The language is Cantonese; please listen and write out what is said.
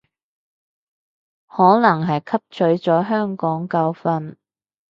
可能係汲取咗香港教訓